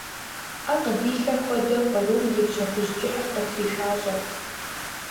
Ӏэ къыдилъэ хуэдэ, кърум и пщэ хужь кӀыхьыр къытришащӀэрт.